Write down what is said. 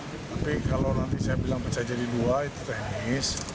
karena tapi kalau nanti saya bilang pecah jadi dua itu teknis